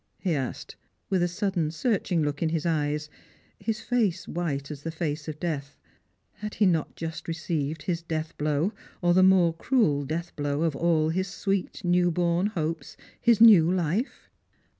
" he asked, with a sudden searching look ill his eyes, his face white as the face of death. Had he not iust received his death blow, or the more cruel death blow of all his sweet new born hojjes, his new life?